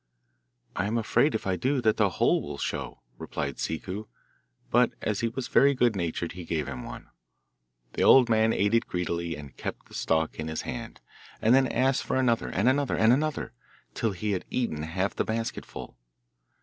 'I am afraid if I do that the hole will show,' replied Ciccu, but as he was very good natured he gave him one. The old man ate it greedily and kept the stalk in his hand, and then asked for another and another and another till he had eaten half the basketful.